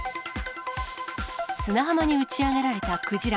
砂浜に打ち上げられたクジラ。